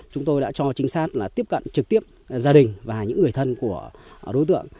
chúng tôi đã cho trinh sát là tiếp cận trực tiếp gia đình và những người thân của đối tượng